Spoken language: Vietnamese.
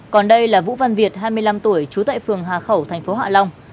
còn đây là vũ văn việt hai mươi năm tuổi trú tại phường hà khẩu thành phố hạ long